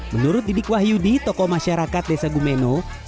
menurut didik wahyudi toko masyarakat desa gumenoh